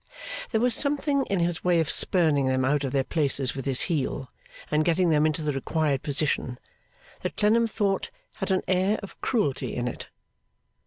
There was something in his way of spurning them out of their places with his heel, and getting them into the required position, that Clennam thought had an air of cruelty in it.